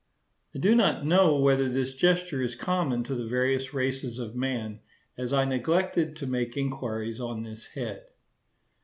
I do not know whether this gesture is common to the various races of man, as I neglected to make inquiries on this head.